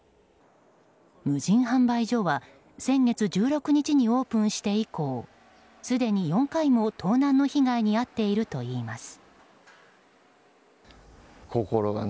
無人販売所は先月１６日にオープンして以降すでに４回も盗難の被害に遭っているといいます。